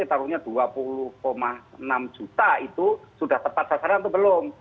taruhnya dua puluh enam juta itu sudah tepat sasaran atau belum